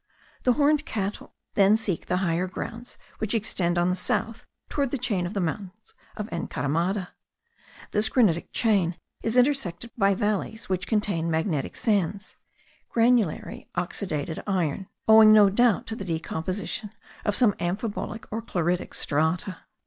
The horned cattle then seek the higher grounds which extend on the south toward the chain of the mountains of Encaramada. This granitic chain is intersected by valleys which contain magnetic sands (granulary oxidulated iron), owing no doubt to the decomposition of some amphibolic or chloritic strata.